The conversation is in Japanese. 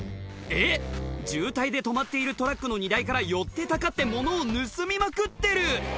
えっ渋滞で止まっているトラックの荷台から寄ってたかって物を盗みまくってる！